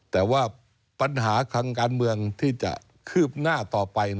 แต่ว่าปัญหาทางการเมืองที่จะคืบหน้าต่อไป